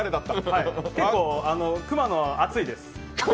結構、熊野暑いです。